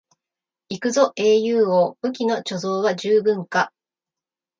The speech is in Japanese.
行くぞ英雄王、武器の貯蔵は十分か？